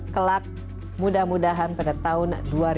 kelak mudah mudahan pada tahun dua ribu dua puluh